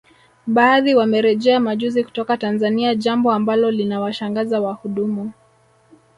Baadhi wamerejea majuzi kutoka Tanzania jambo ambalo linawashangaza wahudumu